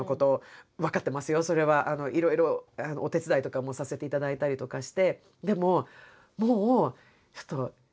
いろいろお手伝いとかもさせていただいたりとかして。